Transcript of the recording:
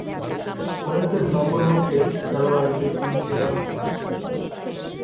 পোশাকের নম্বর অনুযায়ী খেলোয়াড়দের চিহ্নিত করা হলো।